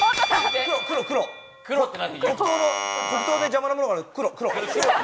黒糖で邪魔なものは黒。